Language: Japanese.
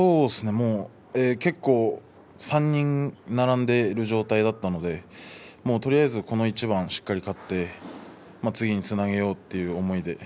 結構３人並んでいる状態だったのでもうとりあえずこの一番しっかり勝って次につなげようという思いで。